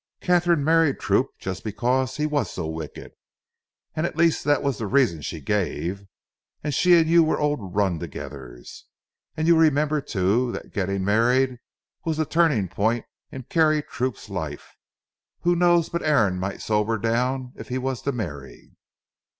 Katharine married Troup just because he was so wicked, at least that was the reason she gave, and she and you were old run togethers. And you remember too that getting married was the turning point in Carey Troup's life. Who knows but Aaron might sober down if he was to marry?